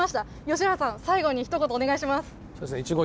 吉原さん、最後にひと言お願いします。